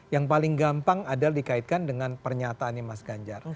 yang paling gampang adalah dikaitkan dengan pernyataannya mas ganjar